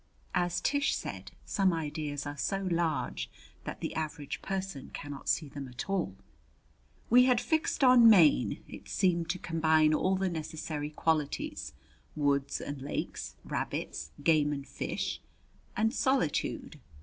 As Tish said, some ideas are so large that the average person cannot see them at all. We had fixed on Maine. It seemed to combine all the necessary qualities: woods and lakes, rabbits, game and fish, and solitude.